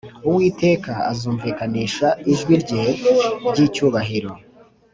Uwiteka azumvikanisha ijwi rye ry icyubahiro